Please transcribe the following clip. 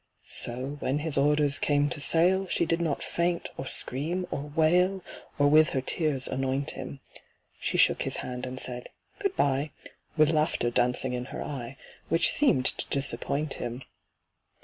So, when his orders came to sail, She did not faint or scream or wail, Or with her tears anoint him: She shook his hand, and said "Good bye," With laughter dancing in her eye— Which seemed to disappoint him.